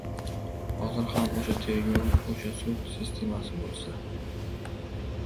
Hozir ham o‘sha tergov, o‘sha sud sistemasi bo‘lsa…